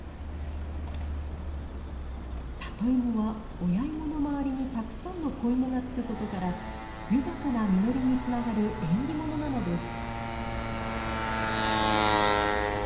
里芋は親芋の周りにたくさんの子芋が付くことから豊かな実りにつながる「縁起物」なのです。